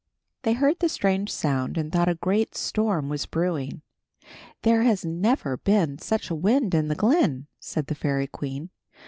They heard the strange sound and thought a great storm was brewing. "There has never been such a wind in the glen," said the fairy queen.